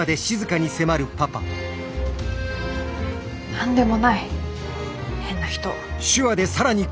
何でもない変な人。